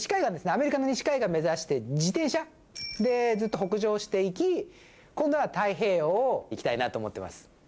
アメリカの西海岸目指して自転車でずっと北上して行き今度は太平洋を行きたいなと思ってます。